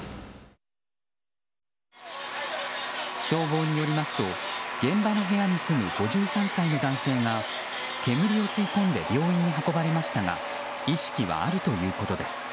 消防によりますと現場の部屋に住む５３歳の男性が煙を吸いこんで病院に運ばれましたが意識はあるということです。